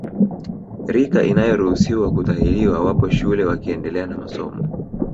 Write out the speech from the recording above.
Rika inayoruhusiwa kutahiliwa wapo shule wakiendelea na masomo